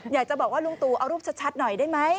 อยากจะบอกว่าลุงตู่เอารูปชัดหน่อยได้ไหม